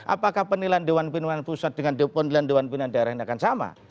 apakah penilaian dewan pimpinan pusat dengan penilaian dewan pimpinan daerah ini akan sama